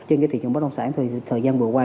trên cái thị trường bất động sản thời gian vừa qua